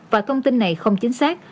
và thông tin này không chính xác